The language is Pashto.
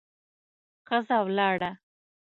ښځه ولاړه.